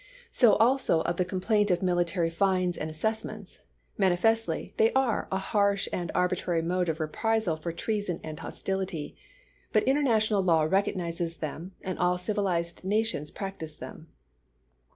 So also of the complaint of military fines and assess ments ; manifestly they are a harsh and arbitrary mode of reprisal for treason and hostility, but international law recognizes them and all civilized nations practise them.